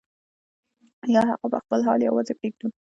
یا هغه په خپل حال یوازې پرېږدو.